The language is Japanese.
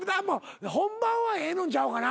本番はええのんちゃうかなぁ。